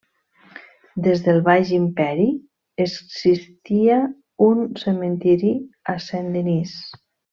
Des del Baix Imperi, existia un cementiri a Saint-Denis.